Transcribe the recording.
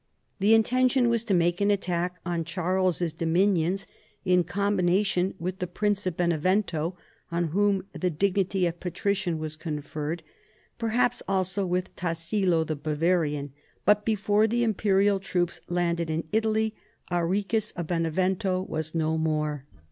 The intention was to make an attack on Charles's dominions in combination witli the Prince of Benevento(on whom the dignity of patrician was conferred) perhaps also with Tassilo the Bavarian ; but before the Imperial troops landed in Italy, Arichis of Benevento Avas no more.